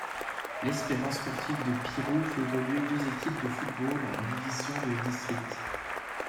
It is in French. L'Espérance sportive de Pirou fait évoluer deux équipes de football en divisions de district.